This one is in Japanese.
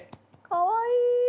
かわいい。